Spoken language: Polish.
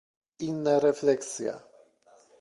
Inna refleksja